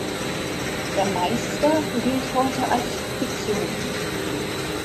Der "Meister" gilt heute als "Fiktion".